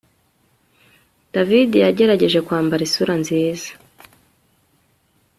David yagerageje kwambara isura nziza